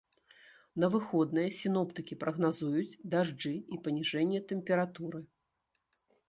На выходныя сіноптыкі прагназуюць дажджы і паніжэнне тэмпературы.